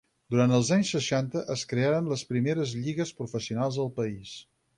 Durant els anys seixanta es crearen les primeres lligues professionals al país.